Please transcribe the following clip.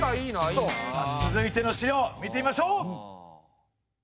さあ続いての資料見てみましょう！